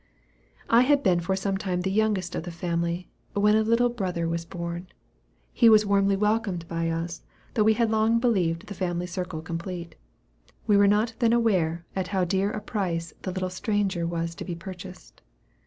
I had been for some time the youngest of the family, when a little brother was born. He was warmly welcomed by us, though we had long believed the family circle complete. We were not then aware at how dear a price the little stranger was to be purchased.